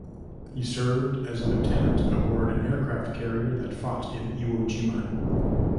He served as a lieutenant aboard an aircraft carrier that fought in Iwo Jima.